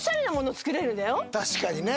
確かにね。